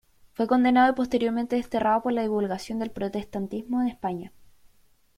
Fue condenado y posteriormente desterrado por la divulgación del protestantismo en España.